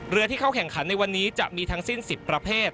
ที่เข้าแข่งขันในวันนี้จะมีทั้งสิ้น๑๐ประเภท